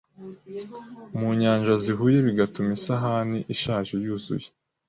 mu nyanja zihuyebigatuma isahani ishajeyuzuye